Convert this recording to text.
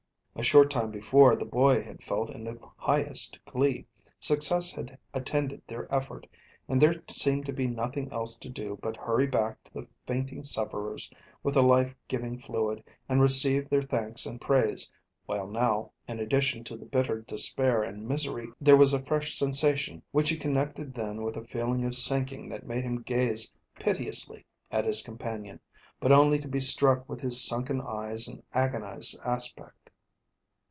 A short time before the boy had felt in the highest glee. Success had attended their effort, and there seemed to be nothing else to do but hurry back to the fainting sufferers with the life giving fluid and receive their thanks and praise, while now, in addition to the bitter despair and misery, there was a fresh sensation which he connected then with a feeling of sinking that made him gaze piteously at his companion, but only to be struck with his sunken eyes and agonised aspect.